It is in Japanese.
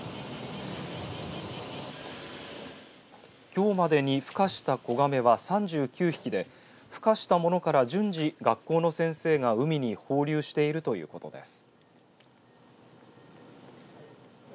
きょうまでにふ化した子ガメは３９匹でふ化したものから順次学校の先生が海に放流しているということです。